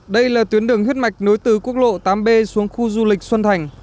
đây là tuyến đường huyết mạch nối từ quốc lộ tám b xuống khu du lịch xuân thành